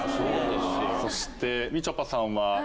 そしてみちょぱさんは？